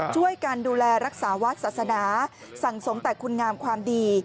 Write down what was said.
ช่วยกันดูแลรักษาวัดศาสนาสั่งสมแต่คุณงามความดี